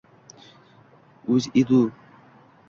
uzedu